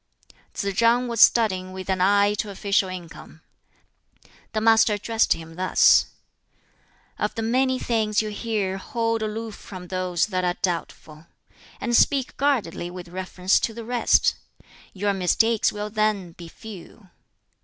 Tsz chang was studying with an eye to official income. The Master addressed him thus: "Of the many things you hear hold aloof from those that are doubtful, and speak guardedly with reference to the rest; your mistakes will then be few.